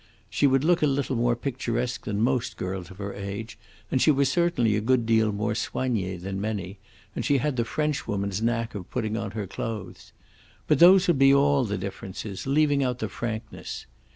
She would look a little more picturesque than most girls of her age, and she was certainly a good deal more soignee than many, and she had the Frenchwoman's knack of putting on her clothes. But those would be all the differences, leaving out the frankness.